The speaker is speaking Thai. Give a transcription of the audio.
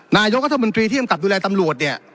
นายกรรษฐมนตรีที่อำกับดูแลตำรวจ